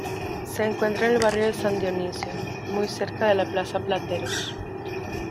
Se encuentra en el barrio de San Dionisio, muy cerca de la Plaza Plateros.